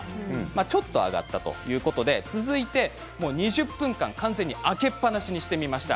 ちょっと上がったということで続いて２０分間完全に開けっぱなしにしてみました。